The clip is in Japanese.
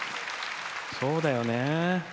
そうだよね。